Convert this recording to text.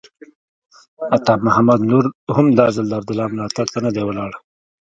عطا محمد نور هم دا ځل د عبدالله ملاتړ ته نه دی ولاړ.